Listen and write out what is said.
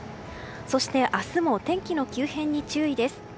そして明日も天気の急変に注意です。